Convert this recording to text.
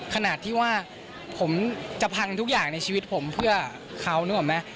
ขนาดที่ว่าผมจะพังทุกอย่างในชีวิตผมเพื่อเขานึกออกไหม